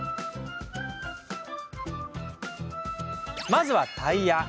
まずはタイヤ。